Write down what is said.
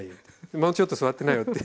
もうちょっと座ってなよって。